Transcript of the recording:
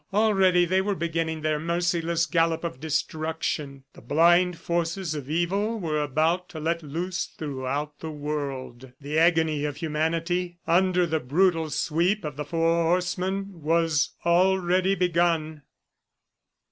Already they were beginning their merciless gallop of destruction! The blind forces of evil were about to be let loose throughout the world. The agony of humanity, under the brutal sweep of the four horsemen, was already begun!